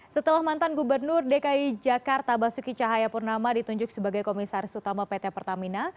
setelah mantan gubernur dki jakarta basuki cahayapurnama ditunjuk sebagai komisaris utama pt pertamina